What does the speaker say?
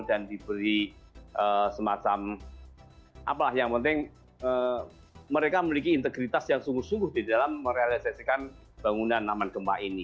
dan diberi semacam apalah yang penting mereka memiliki integritas yang sungguh sungguh di dalam merealisasikan bangunan tahan gempa ini